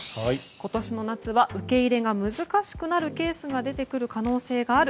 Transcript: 今年の夏は受け入れが難しくなるケースが出てくる可能性がある。